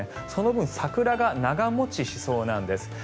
その分桜が長持ちしそうなんです。